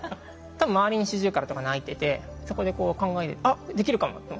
多分周りにシジュウカラとか鳴いててそこでこう考えて「あっできるかも」と思って。